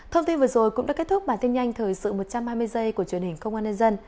thông tin vừa rồi cũng đã kết thúc bản tin nhanh thời sự một trăm hai mươi giây của truyền hình công an nhân dân